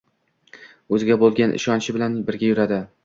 Oʻziga boʻlgan ishonchi bilan birga yuradi.